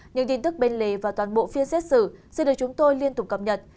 những tin tức bên lệ và toàn bộ phiên xét sự sẽ được chúng tôi liên tục cập nhật